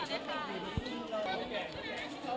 ติดต่อด้วยค่ะ